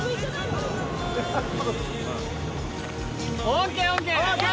ＯＫＯＫ。